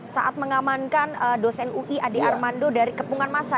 saat mengamankan dosen ui ade armando dari kepungan masa